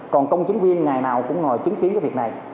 còn công chứng viên ngày nào cũng ngồi chứng kiến việc này